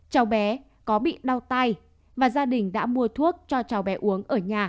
cháu bé có bị đau tay và gia đình đã mua thuốc cho cháu bé uống